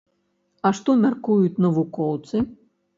А што мяркуюць навукоўцы?